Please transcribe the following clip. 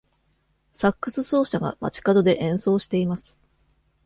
サックス奏者が街角で演奏しています。